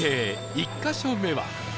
１カ所目は